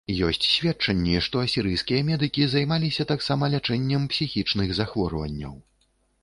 Ёсць сведчанні, што асірыйскія медыкі займаліся таксама лячэннем псіхічных захворванняў.